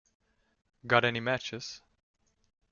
Got any matches?